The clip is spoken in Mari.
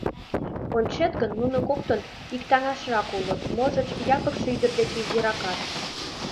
Ончет гын, нуно коктын иктаҥашрак улыт, можыч, Якыпше ӱдыр деч изиракат.